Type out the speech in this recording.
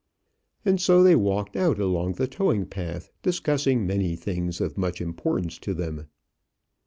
And so they walked out along the towing path, discussing many things of much importance to them.